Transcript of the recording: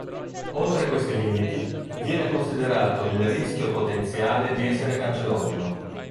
Oltre questi limiti viene considerato il rischio potenziale di essere cancerogeno.